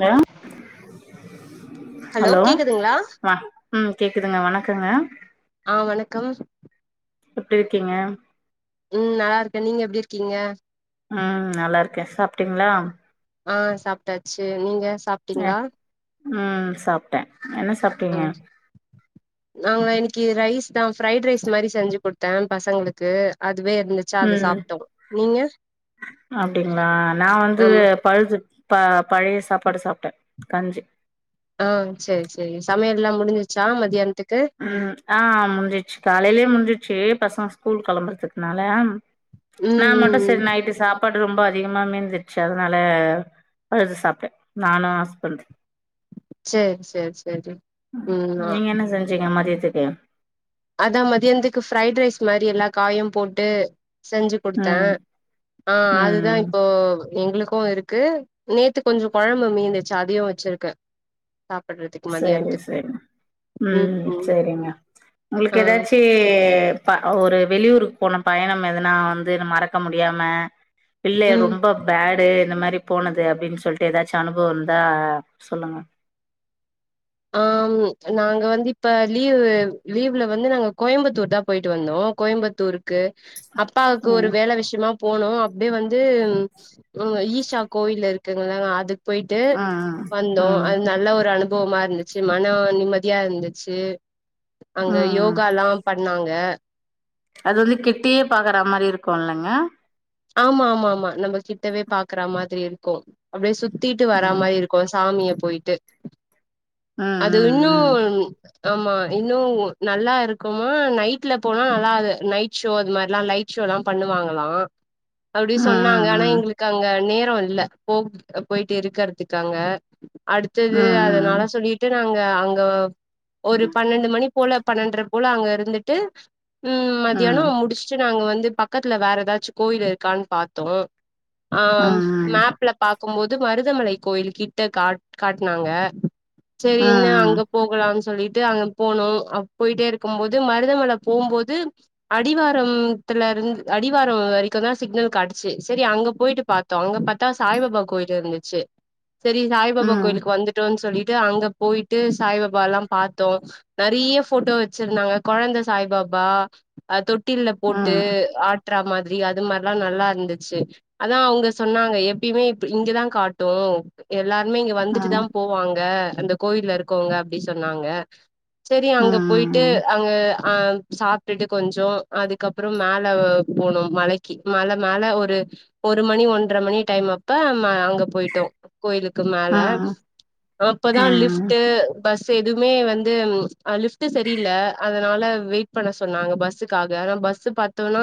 hello hello வ ம் கேக்குதுங்களா வணக் கங்க ஆஹ் வணக்கம் எப்டி இருக்கீங்க ம் நல்லா இருக்கே நீங்க எப்டி இருக்கீங்க ம் நல்லா இருக்க சாப்ட்டீங்களா ஆ சாப்ட்டாச்சு நீங்க சாப்ட்டீங்களா அஹ் ம் சாப்ட்டேன் என்ன ஆ சாப்ட்டீங்க நாங்க இன்னிக்கு ரைஸ் தான் ஃப்ரைட் ரைஸ் மாரி செஞ்சு குடுத்தே பசங்களுக்கு அதுவே இருந்துச்சா அது உம் சாப்ட்டோ நீங்க அப்டிங்களா நா வந்து ஆமா பழுது ப பழைய சாப்பாடு சாப்ட்டே கஞ்சி ஆஹ் சேரி சேரி சமையல்லாம் முடிஞ்சிருச்சா மத்தியானத்துக் ம் ஆஹ் முஞ்சிச்சு காலையிலயே முஞ்சிச்சு பசங்க ஸ்கூல் கிளம்புறதுக்குனால ம் நா மட்டு ம் ம் செரி நைட்டு சாப் பாடு ரொம்ப அதிகமா மீந்துருச்சி அதனால பழுது சாப்ட்டே நானு ஹஸ்பண்டு சேர் சேர்செரி உம் நா நீங்க என்ன செஞ்சீங்க மதியத்துக்கு அதா மதியானத்துக்கு ப்ஃரைட் ரைஸ் மாரி எல்லா காயும் போட்டு செஞ்சு குடுத்தே ம் ஆ அதுதா ம் இப்போ எங்களுக்கு இருக்கு நேத்து கொஞ்ச கொழம்பு மீந்துருச்சு அதையு வச்சுருக்கே சேரி சேரி ம் சேரிங்க உங்களுக்கு ஆ ஏதாச்சு எ ப ஒ ஒரு வெளியூருக்கு போன பயணம் எதுனா வந்து மறக்க முடியாம பிள்ளைக ம் ரொம்ப பேடு இந்த மாரி போனது அப்டினு சொல்ட்டு ஏதாச்சு அனுபவ இருந்தா சொல்லுங்க ஆம் நாங்க வந்து இப்ப லீவு லீவ்ல வந்து நாங்க கோயம்பத்தூர் தா போயிட்டு வந்தோ கோயம்பத்தூருக்கு அப்பாவுக்கு ஒரு ம் வேல விஷயமா போனோ அப்டியே வந்து ம் ஈஷா கோவிலு இருக் க்குங்ளங்க அதுக் போயிட்டு ம் வந்தோ ம் அ நல்ல ஒரு அனுபவமா இரு ந்துச்சு மன நிம்மதியா இருந்துச்சு அங்க ம் ம் யோகாலா பண்ணாங் த அது வந்து கிட்டியே பாக்குற மாரி இருக்குலங்க ஆமா ஆமா ஆமா நம்ம கிட்டவே பாக்குற மாதிரி இருக்கு அப்டியே சுத் திட்டு வரா ம் மாரி இருக்கு சாமிய போயிட்டு அது ம் இன்னு ம் ஆமா இன்னு நல்லா இருக்குமா நைட்ல போனா நல்லாது நைட் ஷோ அது மாற்லா லைட் ஷோ லா பண்ணுவாங்களா அப்டி ம் சொன்னாங்க ஆனா ம் எங்களுக்கு அங்க நே ட்றோ இல்ல போ போய்ட்டு இருக்றதுக்காங்க அடுத்தது ம் அதனால சொல்லிட்டு நா ங்க அங்க ஒரு பன்னெண்டு மணி போல பன்னெண்டர போல அங்க இருந்துட்டு ம் மத்தியான ம் முடிச்சட்டு நாங்க வந்து பக்கத்துல வேற ஏதாச்சு கோயில் இருக்கானு பாத்தோ ம் ஆம் ம் மேப்ல பாக்கும்போது மருதமலை கோயில் கிட்ட காட் காட்னாங்க ம் சேரினு ம் அங்க போகலா ஸ் சொல்லிட்டு அங்க போனோ போயிட்டே இருக்கும் போது மருதமலை போம்போது அடிவாரம் த்துல இருந் அடிவார வரக்கு தா சிக்னல் காட்டுச்சு சேரி அங்க போயிட்டு பாத்தோ அங்க பாத்தா சாய்பாபா கோயில் இருந்துச்சு சேரி சாய்பாபா கோயிலுக்கு வந்துட்டோனு சொல்லி ட்டு அங்க போயிட்டு சாய்பாபா எல்லா பாத்தோ நெறய போட்டோ வச்சிருந்தாங்க கொழந்த சாய்பாப் பா அது தொட்டில்ல ம் போட்டு ம் ஆட்ற மாரி அது து மாரிலா நல்லா இருந்துச்சு அதா அவுங்க சொன்னாங்க எப்பேயுமே ப் இங்கதா காட்டு எல்லார் இன்மே இங்க ம் வந்துட்டு ம் தா போவாங்க அந்த கோயில்ல இருக்கவுங்க அப்டி சொன்னாங்க சேரி ம் ம் அங்க போயிட்டு ம் அங்க ஆ சாப்ட்டுட்டு கொஞ்ச அதுக்கப்புற மேல போனும் மலை க்கி மல மேல ஒரு ஒரு மணி ஒன்றர மணி டைம் அப்ப அங்க போயிட்டோ கோயிலுக்கு மேல ம் அப்பதா ம் ம் லிப்ட்டு பஸ் எதுமே வந்து‌ ம் அ லிஃப்ட் சரியில்ல அதனால வெயிட் பண்ண சொன்னாங்க பஸ்ஸுக்காக அறா பஸ்சு பாத்தோனா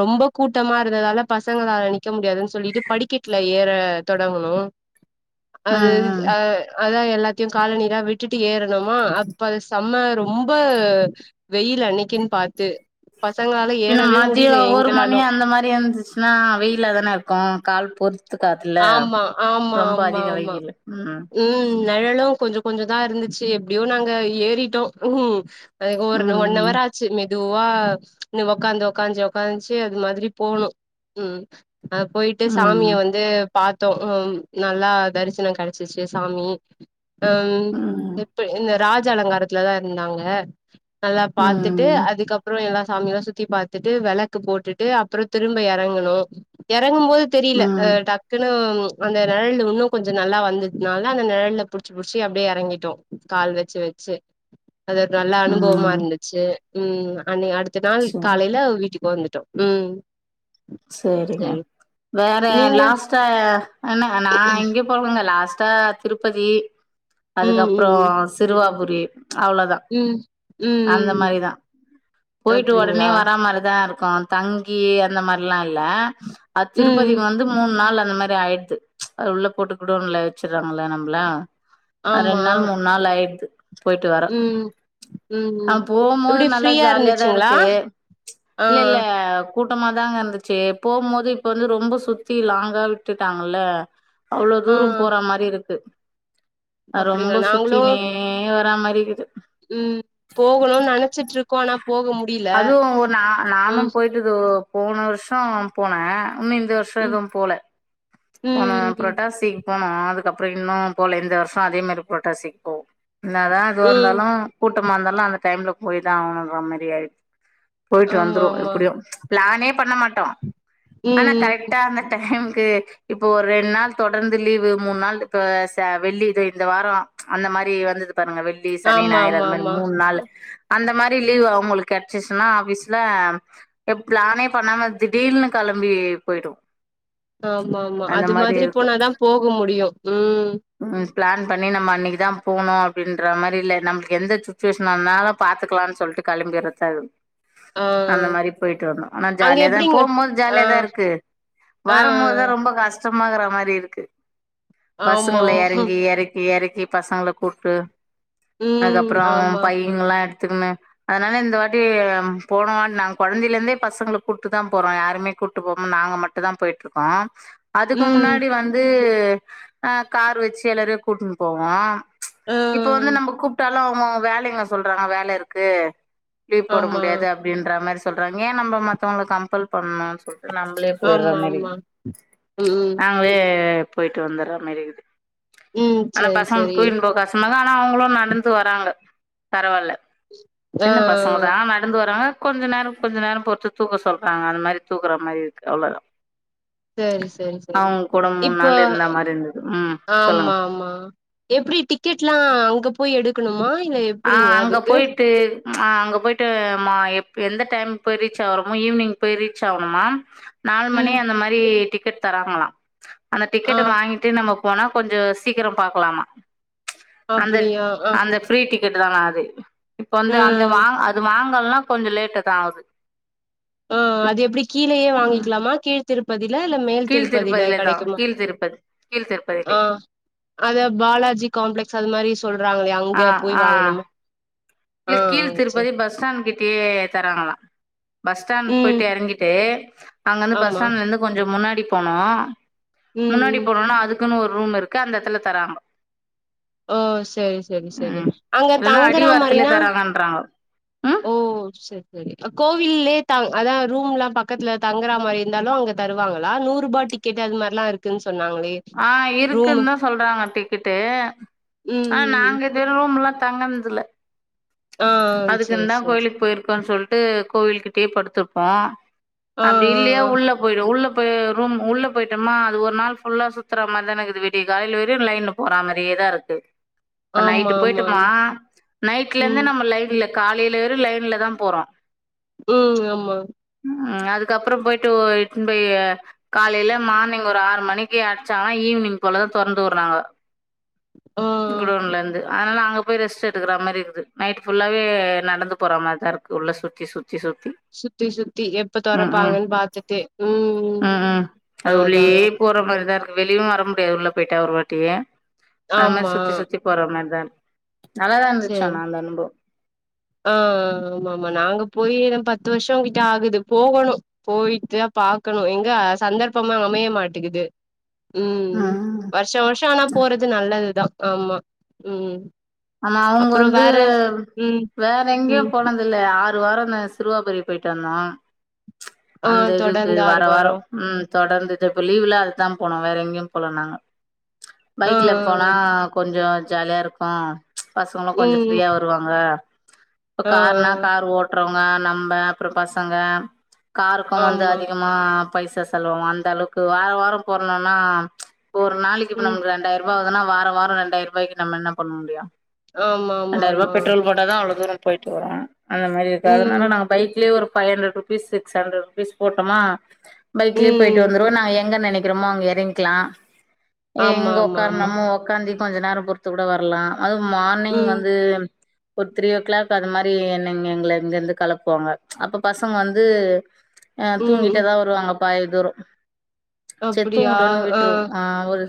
ரொம்ப கூட்டமா இருந்ததால பசங்களால நிக்க முடியாதுனு சொல்லிட்டு படிக்கட்டுல ஏற தொடங்குணோ ம் அது ம் அ அதா எ எல்லாத்தையு காலணிலா விட்டுட்டு ஏறுணோமா அப்ப செம்ம ரொம்ப வெயில் அன்னக்கி ன் பாத்து பசங்களால ஏறவே முடில எங்களாலு இருந்துச்சுனா வெயில தானே இருக்கு கால் பொறுத்து காத்துல ஆமா ஆமா ரொம்ப ஆமா அதிக ஆமா வெயில் ம் நிழலு கொஞ்ச கொஞ்ச தா இருந்துச்சு எப்டியோ நாங்க ஏறிட்டோ ஹ்ம் அது ஒரு ம் ஒன்னவராச்சு மெதுவா னு உக்காந்து உக்காஞ்சு உக்காஞ்சு அது மாரி போனோ ம் ம் அ போயிட்டு சாமிய ம் டு பாத்தோ நல்லா தரிசன கிடச்சுச்சு சாமி ஹம் ம் எப்ப இந்த ராஜ அலங்காரத்துலதா இருந்தாங்க நல்லா பாத்துட்டு ம் அதுக்கப்ரோ எல்லா சாமியாலா சுத்தி பாத்துட்டு வெலக்கு போட்டுட்டு அப்ரோ திரும்ப எறங்குனோ எறங்கு போது தெரில அ ம் டக்குனு அந்த நெழல்ல இன்னு கொஞ்சொ நல்லா வந்ததுனால அந்த நெழல்ல புடிச்சு புடிச்சி அப்டியே எறங்கிட்டோ கால் வச்சு வச் ச்சு அது ஒரு நல்ல அனுபவமா ம் இருந்துச்சு ம் ம் அன் அடுத்த நாள் சேரி காலைல வீட்டுக்கு வந்துட்டோ உம் சேரிங்க வேற நீங்க லாஸ்ட்டா என்ன நா எங்கேயு போலங்க லாஸ்ட்டா திருப்பதி ம் அதுக்கப்றோ ம் சிறுவாபுரி அவ்ளோதா ம் ம் ம் ம் அந்த ம் மாரி தா போயிட்டு ஒடனே அப்டிங்களா வரா மாறி தா இருக்கு இருக்கோ தங்கி அந்த மார்லா இல்ல அ ம் திருப்பதி ம் வந்து மூணு நாள் அ அந்த மாரி ஆய்டுது அது உள்ள போட்டு குடோன்ல வச்சிட்றாங்கள நம்ள அ ஆமா ரெண்டு நாள் மூணு நாள் ஆய்டுது போய்ட்டு வர ம் ம் ஆ ம் போம்போது எப்டி நல்லா ஃப்ரீயா ஜாலியாதா இருந்துச்சுங்களா இருக்கு ஆ இல்ல இல்ல கூட்டமாதாங்க இருந்துச்சு போம்போது இப்ப வந்து ரொம்ப சுத்தி லாங்கா விட்டுட்டாங்கள்ல அவ்ளோ தூரோ ஆ போற மாறிருக்கு அப்டிங்களா ரொம்ப நாங்களு சுத்தினே வரா மாறி இக்குது ம் போகனுனு நெனச்சிட்ருக்கோ ஆனா போ அதுவு நா நானும் போயிட்டு இதோ போன வர்ஷோ போனே இன்னு இந்த வர்ஷோ ம் எதுவும் போல போன ம் ம் புரோட்டாசி போனோ அதுக்கப்றோ இன்னு போல இந்த வர்ஷோ அதே மாரி புரட்டாசிக்கு போவோ என்னதா இது ம் வந்தாலும் கூட்டமாக இருந்தாலும் அந்த டைம்ல போயி தா ஆகம்ன்ற மாரி ஆய்டுச்சி போயிட்டு ஆமா வந்துருவோ ஆமா எப்டியு ப்ளானே பண்ண மாட்டோ ஆனா ம் ம் கரெக்டா அந்த டைம் [unintelligible] இப்போ ஒரு ரெண் நாள் தொடர்ந்து லீவு மூணு நாள் இப்ப ச வெள்ளித இந்த வாரோ அந்த மா மாரி வந்தது பாருங்க வெள்ளி சனி ஆமா ஞாயிறு ஆமா அந்த மாரி ஆமா மூணு நாளு அந்த மாரி லீவு அவுங்களுக்கு கெட்ச்சிசுனா ஆஃபீஸ்ல எப் ப்ளானே பண்ணாம திடீர்ன்னு கெளம்பி போய்டுவோ ஆமா ஆமா அது மாதிரி போனாதா போக முடியு ம் ப்ளான் பண்ணி நம்ம அன்னைக்குதா போணு அப்டின்ற மாறி இல்ல நம்ளுக்கு எந்த சுச்சுவேஷ்ன் இருந்தாலு பாத்துக்லானு சொல் கெளம்பிர்தாக்குது ஆ அந்த மாரி போயிட்டு வந்தோ ஆனா அங்க ஜாலியாதா எப்டிங்க போம்போது ஆ ஜாலியாதா இருக்கு ஆ வரும்போது தா ரொம்ப கஷ் டமா இருக்ற மாரி இருக்கு ஆமா பசங்கள எறங்கி எறக்கி எறக் கி பசங்கள கூட்டு ம் அதுகப்றோ ஆமா பைங்ளா எடுத்துக்குனு அதுனால இந்த வாட் டி போனோ நாங்க கொழந்தையில இருந்தே பசங்கள கூப்ட்டு தா போறோ யாருமே கூப்பிட்டு போனோம் நாங்க மட்டுந்தா போயி ட்ருக்கோ அதுக்கு ம் முன்னாடி வந்து அ கார் வச்சு எல்லாரையு கூட்ன்னு போவோ ஆ இப்ப வந்து நம்ம கூப்ட்டாலு அவ்ங்க வேலங்க சொல்றாங்க வேல இருக்கு லீவ் போட ஆமா முடியாது அப்டின்ற மாறி சொல்றாங்க ஏ நம்ப மத்தவங்க கம்பல் பண்ணனு நம்ளே போய்டுற ஆமா மாறி ஆமா ம் ம் நாங்களே போயிட்டு வந்துற மேரி இருக்குது ம் ஆனா சரி பசங்க சரி தூங்கினு போக கஸ்டமா இருக்கு ஆனா அவுங்ளு நடந்து வராங்க பரவால்ல சின்ன ஏஆ பசங்க தா நடந்து வராங்க கொஞ்ச நேரோ கொஞ்ச நேரோ பொருத்து தூக்க சொல்றாங்க அந்த மாரி தூக்குற மாரி இருக்கு அவ்ளோ தா சேரி செரி செரி மூணு இப்போ நாள் இருந்த மாரி இருந்தது ம் சொல்லுங்க ஆமா ஆமா எப்டி டிக்கெட்லா அங்க போய் எடுக்கணுமா இ ஆ அங்க போயிட்டு ஆ அங்க போயிட்டு மா எப் எந்த டைம்க்கு போய் ரீச் ஆகுறமோ ஈவினிங் போய் ரீச் ஆகணுமா நாலு மணி ம் அந்த மாரி டிக் க்கெட் தராங்களா அந்த ஆ டிக்கெட்ட வாங்கிட்டு நம்ம போனா கொஞ்சோ சீக்கிரம் பாக்லாமா அந்த அப்டியா ஆ அந்த ஃப்ரீ டிக் கெட் தானா அது இப்ப ஆ வந்து அந்த வாங் அது வாங்குல்னா கொஞ்ஜோ லேட்டு தா ஆவுது ஆ அது எப்டி கீழயே ம் வாங்கிக்கலாமா கீழ்திருப்பதி இல்ல மேல் கீழ் திருப்பதில தா கடைக்குமா கீழ் திருப்பதி கீழ் திருப்பதிலே ஆ அத பாலாஜி காம்ப்ளெக்ஸ் அது மாரி சொல்றாங்களே ஆ அங்க போய் ஆ வாங்கணுமா இல்ல ஆ கீழ் திருப்பதி சரி பஸ் ஸ்டாண் கிட்டயே தராங்களா பஸ் ஸ்டாண் ம் போயிட்டு எறங்கிட்டு அங்கருந்து பஸ் ஆமா ஸ்டாண்லருந்து கொஞ்சொ முன்னாடி போணோ ம் முன்னாடி ம் போனோன அதுக்குனு ஒரு ரூம் இருக்கு அந்த எடத்ல தராங்க ஓ செரி செரி செரி அங்க தங்குறா மாரின தரங்கன்றாங்க ம் அ கோவில்லயே தங் அதா ரூம்லா பக்கத்துல தங்குறா மாரி இருந்தாலு அங்கத் தருவாங்களா நூறுபா டிக்கெட் அது மார்லா இருக்குன் ஆ இருக்குன்தா சொல்றாங்க டிக்கெட்டு ம் ஆனா ம் ம் நாங்க இது ரூ முல்லா தங்கன்துல்ல ஆ செரி அதுக்குன் தா செரி கோயிலுக்கு போயிருக்கோன் சொல்ட்டு கோவில் கிட்டயே படுத்ருப்போ ஆ அப்டி இல்லியா ஆ உள்ள போயிடு உள்ளப் ரூம் உள்ள போயிட்டமா அது ஒரு நாள் ஃபுல்லா சுத்துற மாரி தான இக்குது விடியக் காலைல வரையு லைன்ல போறா மாரியே தா இருக்கு ஆ இப்ப ஆமா நைட்டு போயிட்டு ஆமா மா ஆமா நைட் லேந்து ம் நம்ம லைன்ல காலைல வற்யு லைன்ல தா போறோ ம் ஆமா ம் அதுக்கப்றொ போயிட்டு ஓ எடுத்துன் போய் ஆ காலைல மார்னிங் ஒரு ஆறு மணிக்கி அட்ச்சாங்கன்னா ஈவ் னிங் போலதா தொறந்து உர்றாங்க ஆ குடோன்லருந்து அனால அங்க போய் ரெஸ்ட் எடுக்குறா மாரி இருக்குது நைட் ஃபுல்லாவே நடந்து போறா மார் தா இருக்கு உள்ள சுத்தி சுத்தி சுத்தி சுத்தி சுத்தி எப்ப ம் ம் தொரப்பாங்கன் பாத்துட்டு ம் ம் அது ஆ அதா உள்ளயே அதா போற மாரிதா இருக்கு வெளியவு வர முடியாது உள்ள போய்ட்டா ‌ ஒரு வாட்டி அது மார் ஆமா சுத்தி சுத்தி போற மார்தா இ நல்லாதா இருந்துச்சி செரி ஆனால ஆ ஆமா ஆமா நாங்க போயி எ பத் து வர்ஷொங் கிட்ட ஆகுது போகணு போயிட்டு தா பாக்கணு எங்க சந்தர்ப்பமா அமைய மாட்டிகிது ம் வர்ஷா வர்ஷொ ஆனா போறது நல்லது தா ஆமா ம் ஆமா அவுங்க அப்புறோ வந்து வேற ம் வே ற ம் எங்கியும் போனதில்ல ஆறு வாரொ ந சிறுவாபுரி போயிட்டு வந்தோ ஆ அந்த இதுக்கு தொடர்ந்து ஆறு வாரா வாரொ வாரோ ம் தொடர்ந்துட்டு இப்ப லீவ்ல அதுதா போனோ வேற எங்கியும் போல நாங்க ஆ பைக்ல போனா கொஞ்சொ ஜாலியா இருக்கு பசங்களு ஆ கொஞ்சொ ம் ஃப்ரீயா வருவாங்க இப்பக் ஆ கார்னா ஆ கார் ஓட்ட றவங்க நம்ப அப்றொ பசங்க ‍கார்க்கு வந்து ஆமா அதிகமா பைசா செலவாவு அந்தளவுக்கு வார வாரம் போறணுன்னா ப ஒரு நாளக்கி இப்ப ம் நமக்கு ரெண்டாயிருபா ஆவ்துனா வாரா வாரோ ரெண்டாய்ருவாய்க்கி நம்ம என்ன பண்ண முடியு ஆமா ஆமா ரெண்டாய்ருவா ஆமா பெட்ரோல் போட்டா தா அவ்ளோ தூரம் போயிட்டு வரோ அந்த மாரி இருக்கு அதனால ம் நாங்க பைக்லயே ஒரு five hundred rupees six hundred rupees போட்டமா பைக்லயே போயிட்டு ம் வந்துருவோ நாங் எ எங்க நெனக்கிறோமோ அங்க எறயிங்க்லா ஆமா எங்க ஆமா ஆமா ஒக்காரணமோ ஒக்காந்து கொஞ்ச நேரொ பொறுத்துக் ‌ கூட வர்லா அது மார்னிங் ம் வந்து ஒரு த்ரீ ஓ க்ளாக் அந்த மாரி என்னங்க எங்கள இங்கருந்து களப்புவாங்க அப்ப பசங்க வந்து அ ம் தூங்கிட்டே தா வருவாங்க பாதி தூரொ சேர் தூங்கட்டுனு விட்ருவோ ஆ ஒரு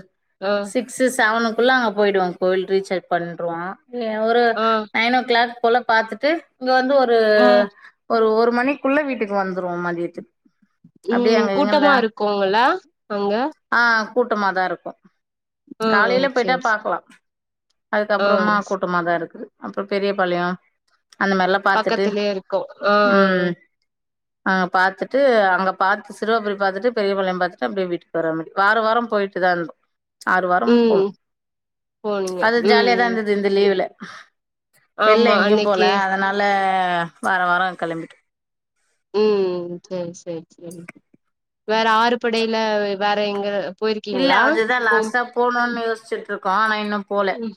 ஆ சிக்ஸு செவனுக் குல்லா அங்க போயிடுவோ கோவில் ரீச்செக் பண்ருவோ ஏ ஒரு ஆ நயன் ஓ க்ளாக் போல பாத்துட்டு இங்க வந்து ஒரூ ம் ஒரு ஒரு மணிக்குள்ள வீட்டுக்கு வந்த்ருவோ மதியத்துக் ம் கூட்டமா இருக்குங்கள அங்க கூட்டமாதா இருக்கு ஆ காலைல போய்ட்டா சேரி சே பாக்கலா ஆ அதுக்கப்பறமா கூட்டமாதா இருக்குது அப்றொ பெரிய பாளையொ அந்த மாரில்லா பாத்துட்டு பக்கத்துலயே இருக்கோ ஆ ம் அங்க பாத்துட்டு அங்கப் பாத்து சிறுவ பல் பாத்துட்டு பெரிய பாளையம் பாத்துட்டு அப்டியே வீட்டுக் வரா மாரி வார வாரொ போய் ட்டுதா இந்தோ ஆறு வாரமும் போணு ம் போனீங்க அது ம் ம் ஜாலியாதாந்துது இந்த லீவுல ஆமா வெள்ல எங்கியும் போல அன்னைக்கு அதனால வாரோ வாரோ கெளம்பிட்டு ம் ம் சேரி சேரி சேரி வேற ஆறு படையில வ வேற எங்க இல்ல போயிருக்கீங்களா அதுதா போ லாஸ்ட்டா போணுன் யோசிச்சிட்ருக்கோ ஆனா இன்னும் போல ம்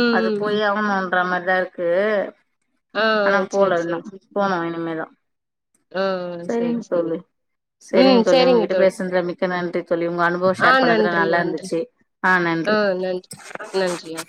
ம் அது ம் ம் போயே ஆவணுன்ற மாரிதாருக்கு ஆ ஆனா செரி போல இன்னும் போணு இனிமேதா ம் செரி செரி செரிங் ம் தோழி செரிங்க உங்ககிட்ட பேசுனதுல மிக்க நன்றி தோழி உங்க அனுபவோ ஷேர் பண்ணதுல நல்லாருந்துச்சி ஆ ந ஆ நன்றி நன்றி ஆ